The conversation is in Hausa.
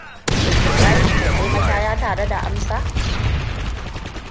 Shin Ibrahim kan je mashaya tare da Amsa?